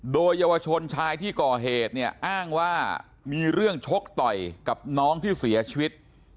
โดยเยาวชนชายที่ก่อเหตุเนี่ยอ้างว่ามีเรื่องชกต่อยกับน้องที่เสียชีวิต